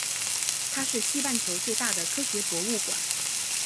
它是西半球最大的科学博物馆。